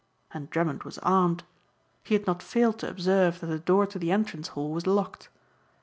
And Drummond was armed. He had not failed to observe that the door to the entrance hall was locked.